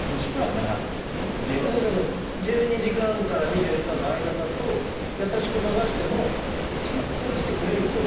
でも先生１２時間から２４時間の間だと優しく流しても落ちてくれるんですね。